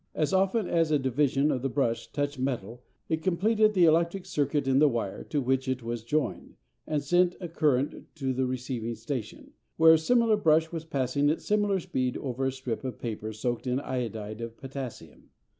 As often as a division of the brush touched metal it completed the electric circuit in the wire to which it was joined, and sent a current to the receiving station, where a similar brush was passing at similar speed over a strip of paper soaked in iodide of potassium.